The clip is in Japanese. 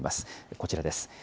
こちらです。